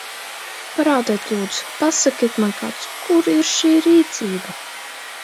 Parādiet, lūdzu, pasakiet man kāds, kur ir šī rīcība!